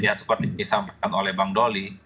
ya seperti yang disampaikan oleh bang dolly